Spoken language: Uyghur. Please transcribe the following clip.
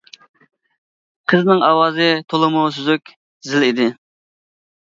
قىزنىڭ ئاۋازى تولىمۇ سۈزۈك، زىل ئىدى.